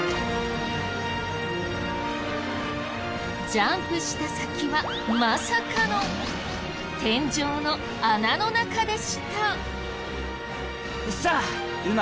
ジャンプした先はまさかの天井の穴の中でした。